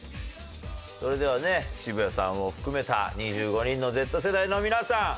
それではね渋谷さんを含めた２５人のＺ世代の皆さん